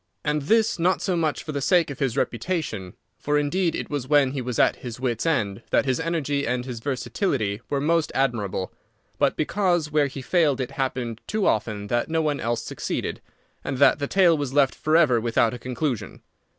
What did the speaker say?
And this not so much for the sake of his reputation—for, indeed, it was when he was at his wits' end that his energy and his versatility were most admirable—but because where he failed it happened too often that no one else succeeded, and that the tale was left forever without a conclusion.